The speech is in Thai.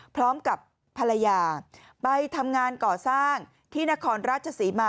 พร้อมกับภรรยาไปทำงานก่อสร้างที่นครราชศรีมา